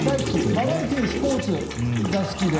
バラエティー、スポーツが好きで。